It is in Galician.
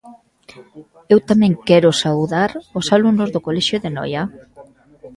Eu tamén quero saudar os alumnos do colexio de Noia.